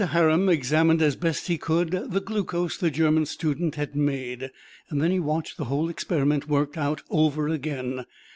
Harum examined as best he could the glucose the German student had made, and then he watched the whole experiment worked out over again.